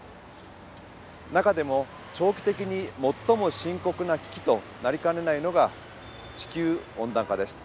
中でも長期的に最も深刻な危機となりかねないのが地球温暖化です。